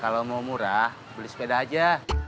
kalau mau murah beli sepeda aja